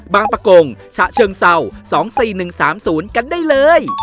บางประกงฉะเชิงเศร้า๒๔๑๓๐กันได้เลย